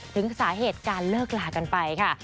ถึงสาเหตุการเลิกลากันไปค่ะ